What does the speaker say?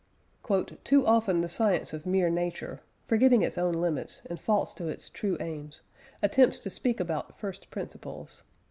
"Too often the science of mere Nature, forgetting its own limits and false to its true aims, attempts to speak about first principles.